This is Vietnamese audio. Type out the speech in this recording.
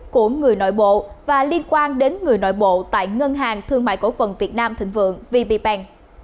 của người nội bộ và liên quan đến người nội bộ tại ngân hàng thương mại cổ phần việt nam thịnh vượng vpen